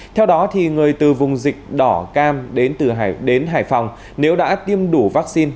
theo đó người từ vùng dịch đỏ cam đến từ hải phòng nếu đã tiêm đủ vaccine